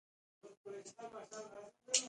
نه نه ته به نه ورزې.